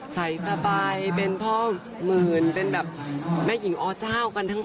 ใส่สบายเป็นพ่อหมื่นเป็นแบบแม่หญิงอเจ้ากันทั้ง